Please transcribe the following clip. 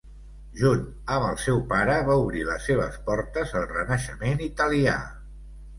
Junt amb el seu pare, va obrir les seves portes al renaixement italià.